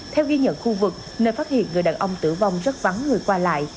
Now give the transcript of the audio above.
theo ghi nhận khu vực nơi phát hiện người đàn ông tử vong rất vắng người qua lại